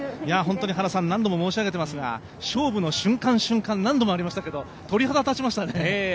本当に何度も申し上げていますが、勝負の瞬間瞬間何度もありましたけど鳥肌、たちましたね。